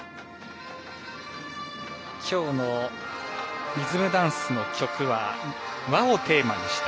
きょうのリズムダンスの曲は和をテーマにした。